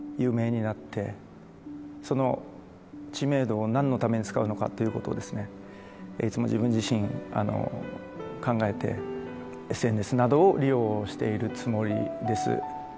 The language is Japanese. その知名度を何のために使うのかっていうことをですねいつも自分自身考えてＳＮＳなどを利用しているつもりです